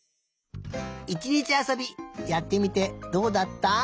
いちにちあそびやってみてどうだった？